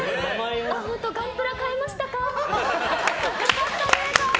ガンプラ買いましたか？